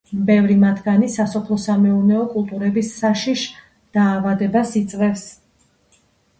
ბევრი მათგანი სასოფლო-სამეურნეო კულტურების საშიშ დაავადებას იწვევს.